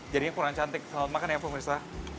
jadinya kurang cantik sama makan ya pemirsa